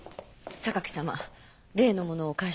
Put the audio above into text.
榊様例のものをお返しください。